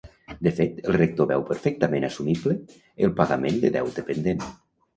De fet, el rector veu "perfectament assumible" el pagament de deute pendent.